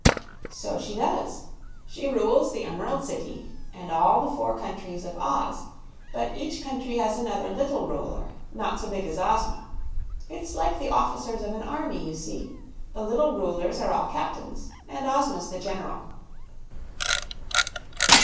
"So she does; she rules the Emerald City and all the four countries of Oz; but each country has another little ruler, not so big as Ozma. It's like the officers of an army, you see; the little rulers are all captains, and Ozma's the general."